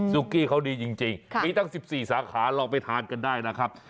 กี้เขาดีจริงมีตั้ง๑๔สาขาลองไปทานกันได้นะครับ